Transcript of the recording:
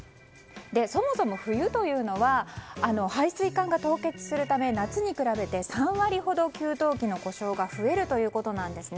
そもそも、冬というのは配水管が凍結するため夏に比べて３割ほど給湯器の故障が増えるということです。